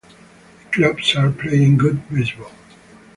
The clubs are playing good baseball.